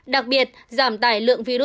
đặc biệt giảm tài lượng virus